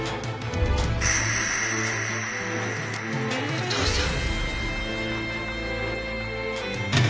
お父さん。